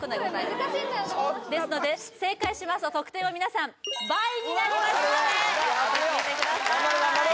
これ難しいんだよなですので正解しますと得点は皆さん倍になりますのでよく聴いてください・